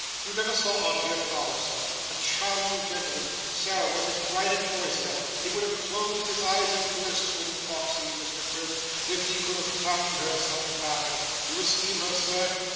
You never saw our dear father, sir? A charming gentleman. Sarah was his pride and joy, sir. He would have closed his eyes in bliss, would Foxey, Mr Quilp, if he could have found her such a partner. You esteem her, sir?